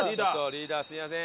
リーダーすいません。